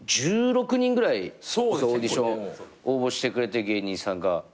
１６人ぐらいオーディション応募してくれて芸人さんが。